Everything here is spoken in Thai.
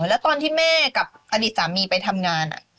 แล้วตอนที่แม่กับอดีตสามีไปทำงาน